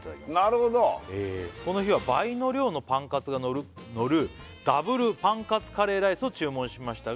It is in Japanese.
なるほど「この日は倍の量のパンカツがのる」「Ｗパンカツカレーライスを注文しましたが」